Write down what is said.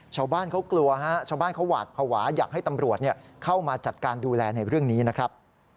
ชาวบ้านเขากลัวฮะชาวบ้านเขาหวาดภาวะอยากให้ตำรวจเข้ามาจัดการดูแลในเรื่องนี้นะครับ